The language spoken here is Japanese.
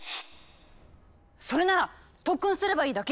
それなら特訓すればいいだけよ。